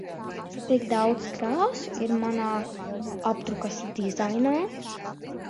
Cik daudz krāsu ir manā apdrukas dizainā?